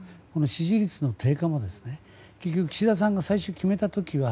支持率の低下も結局、岸田さんが最初決めた時は